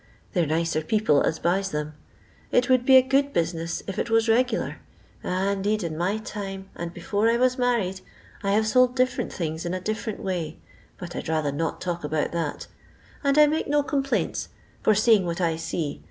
They 're nicer people as buys them. It would be a good business if it was regular. Ah ! indeed, in my time, and before I was married, I have sold different things in a different way ; but I 'd rather not talk about that, and I make no complaints, for seeing what I see.